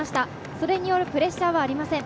それによるプレッシャーはありません。